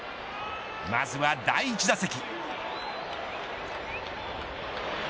まずは第１打席。